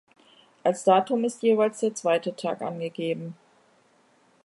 Als Datum ist jeweils der zweite Tag angegeben.